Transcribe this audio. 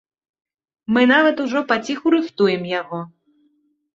Мы нават ужо паціху рыхтуем яго.